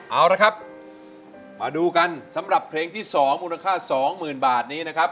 เอาละครับมาดูกันสำหรับเพลงที่๒มูลค่า๒๐๐๐บาทนี้นะครับ